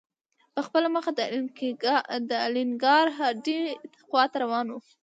په خپله مخه د الینګار هډې خواته روان و.